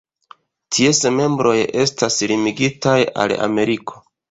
Ties membroj estas limigitaj al Ameriko.